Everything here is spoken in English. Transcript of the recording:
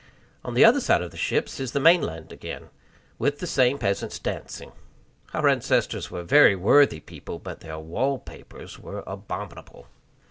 On the other side of the ships is the main land again, with the same peasants dancing. Our ancestors were very worthy people, but their wall papers were abominable.